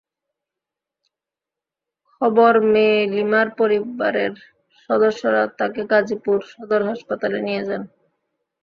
খবর মেয়ে লিমার পরিবারের সদস্যরা তাঁকে গাজীপুর সদর হাসপাতালে নিয়ে যান।